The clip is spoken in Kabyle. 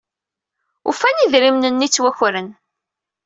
Ufan idrimen-nni ittwakren.